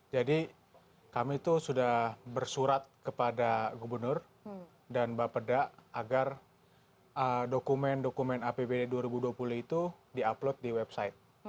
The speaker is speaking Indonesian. jadi kami itu sudah bersurat kepada gubernur dan mbak pedak agar dokumen dokumen apbd dua ribu dua puluh itu di upload di website